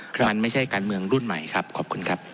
มันไม่ใช่การเมืองรุ่นใหม่ครับขอบคุณครับ